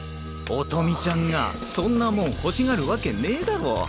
音美ちゃんがそんなモン欲しがるわけねぇだろ。